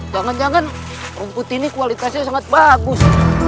jangan jangan rumput ini kualitasnya sangat bagus